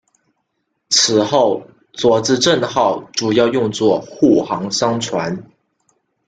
此后佐治镇号主要用作护航商船。